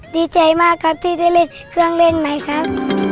ดีใจมากครับที่ได้เล่นเครื่องเล่นใหม่ครับ